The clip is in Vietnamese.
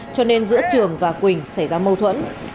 cho nên giữa trường và quỳnh xảy ra mâu thuẫn